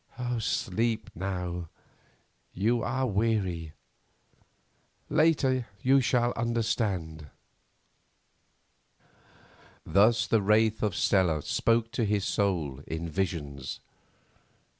Sleep now, you are weary; later you shall understand. Thus the wraith of Stella spoke to his soul in visions.